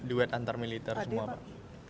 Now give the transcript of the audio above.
duet antar militer semua pak